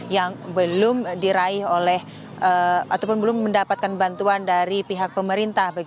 yang belum diraih oleh ataupun belum mendapatkan bantuan dari pihak pemerintah